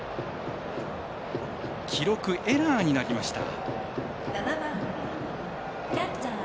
記録、エラーになりました。